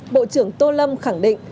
bộ trưởng tô lâm khẳng định